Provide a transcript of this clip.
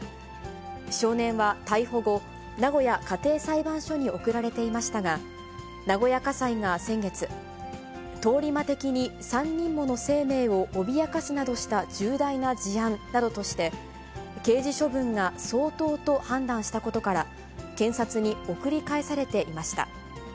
少年は逮捕後、名古屋家庭裁判所に送られていましたが、名古屋家裁が先月、通り魔的に３人もの生命を脅かすなどした重大な事案などとして、刑事処分が相当と判断したことから、検察に送り返されていました。